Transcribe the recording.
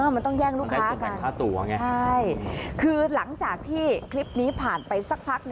มันต้องแย่งลูกค้ากันค่าตัวไงใช่คือหลังจากที่คลิปนี้ผ่านไปสักพัก